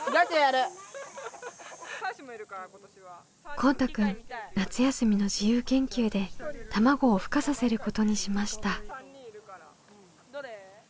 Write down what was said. こうたくん夏休みの自由研究で卵をふ化させることにしました。